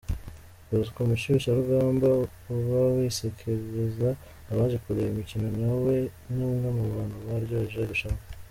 Bosco umushyushyarugamba uba wisekereza abaje kureba imikino nawe ni umwe mu bantu baryoheje irushanwa.